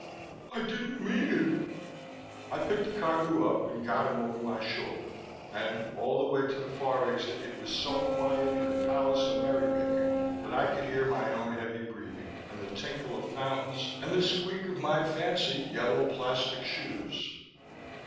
"I didn't mean it." I picked Cagu up and got him over my shoulder, and all the way to the far exit it was so quiet in the Palace of Merrymaking that I could hear my own heavy breathing and the tinkle of fountains and the squeak of my fancy yellow plastic shoes.